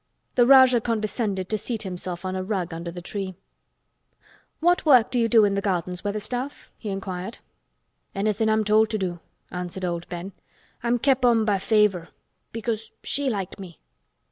The Rajah condescended to seat himself on a rug under the tree. "What work do you do in the gardens, Weatherstaff?" he inquired. "Anythin' I'm told to do," answered old Ben. "I'm kep' on by favor—because she liked me."